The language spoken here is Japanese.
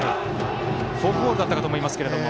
フォークボールだったかと思いましたけども。